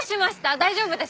大丈夫です？